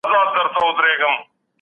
د ميرمني مريضي د عارضي امورو څخه ده.